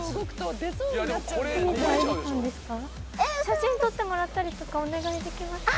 写真撮ってもらったりとかお願いできますか？